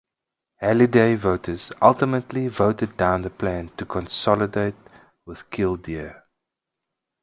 Halliday voters ultimately voted down the plan to consolidate with Killdeer.